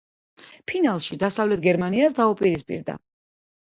ფინალში, დასავლეთ გერმანიას დაუპირისპირდა.